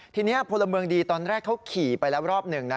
ทีนี้พลเมืองดีตอนแรกเขาขี่ไปแล้วรอบหนึ่งนะ